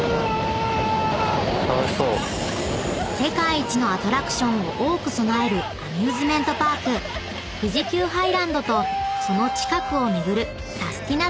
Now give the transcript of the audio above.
［世界一のアトラクションを多く備えるアミューズメントパーク富士急ハイランドとその近くを巡るサスティな！